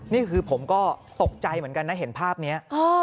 นี่คือผมก็ตกใจเหมือนกันนะเห็นภาพนี้